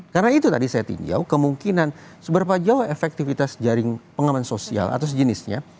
karena itu tadi saya tinjau kemungkinan seberapa jauh efektivitas jaring pengaman sosial atau sejenisnya